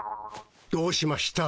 どうしました？